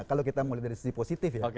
kalau kita mulai dari sisi positif ya